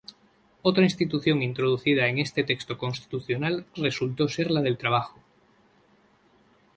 Otra institución introducida en este texto constitucional resultó ser la del trabajo.